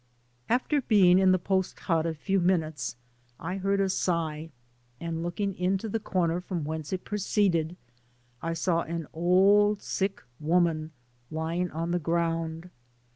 ♦♦*♦♦ After being in the post hut a few minutes, I heard a sigh, and looking into the comer from whence it proceeded, I saw an old sick woman lying on the ground.